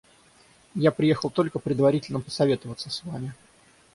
Я приехал только предварительно посоветоваться с вами.